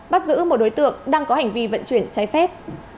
bắt giữ một đối tượng đang có hành vi vận chuyển trái phép